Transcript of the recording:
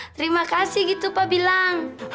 terima kasih gitu pak bilang